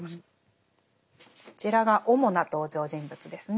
こちらが主な登場人物ですね。